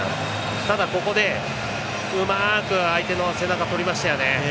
ただ、ここでうまく相手の背中を取りましたね。